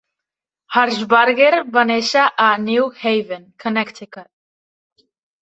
Harshbarger va néixer a New Haven (Connecticut).